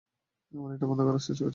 আমি এটা বন্ধ করার চেষ্টা করছি।